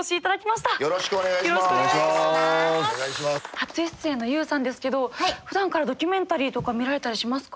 初出演のＹＯＵさんですけどふだんからドキュメンタリーとか見られたりしますか？